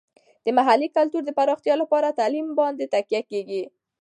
د محلي کلتور د پراختیا لپاره تعلیم باندې تکیه کیږي.